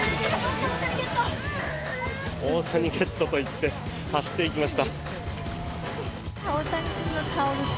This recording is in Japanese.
大谷ゲットと言って走っていきました。